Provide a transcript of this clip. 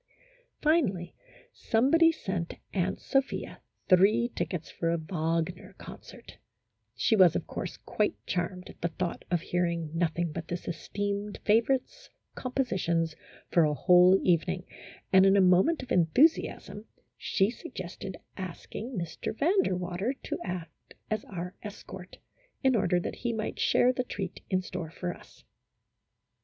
Finally, somebody sent Aunt Sophia three tickets for a Wagner concert ; she was, of course, quite charmed at the thought of hearing nothing but this esteemed favorite's compositions for a whole even 28 A HYPOCRITICAL ROMANCE. ing, and in a moment of enthusiasm she suggested asking Mr. Van der Water to act as our escort, in order that he might share the treat in store for us.